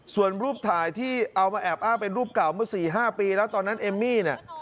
ส่วนรูปถ่ายที่เอามาแอบอ้างเป็นรูปเก่าเมื่อ๔๕ปีแล้วตอนนั้นเอมมี่เนี่ย